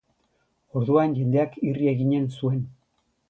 Orduan jendeak irri eginen zuen.